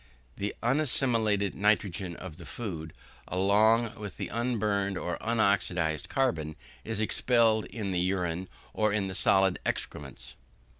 The unassimilated nitrogen of the food, along with the unburned or unoxidised carbon, is expelled in the urine or in the solid excrements.